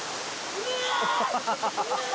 うわ！